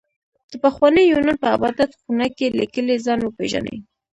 د پخواني يونان په عبادت خونه کې ليکلي ځان وپېژنئ.